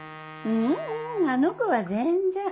ううんあの子は全然。